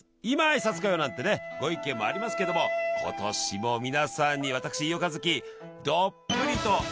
今挨拶かよ！なんてご意見もありますけども今年も皆さんに私飯尾和樹どっぷりと。